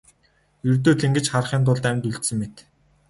Ердөө л ингэж харахын тулд амьд үлдсэн мэт.